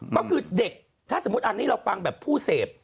ก็คือเด็กถ้าสมมุติอันนี้เราฟังแบบผู้เสพ